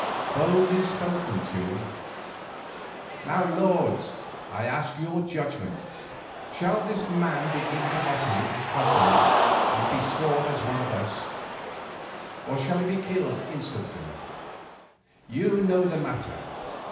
"Boldly spoken, Teule. Now, lords, I ask your judgment. Shall this man be given to Otomie as husband and be sworn as one of us, or shall he be killed instantly? You know the matter.